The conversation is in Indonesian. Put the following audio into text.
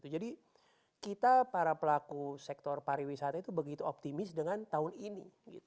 jadi kita para pelaku sektor pariwisata itu begitu optimis dengan tahun ini